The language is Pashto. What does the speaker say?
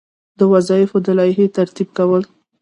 د وظایفو د لایحې ترتیب کول.